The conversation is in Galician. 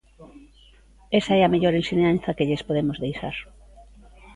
Esa é a mellor ensinanza que lles podemos deixar.